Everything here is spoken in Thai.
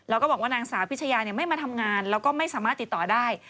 แล้วก็บอกว่านางสาวพิชยาไม่มาทำงานแล้วก็ไม่สามารถติดต่อได้